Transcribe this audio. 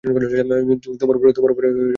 তােমার উপরে যদি রাগ করেন?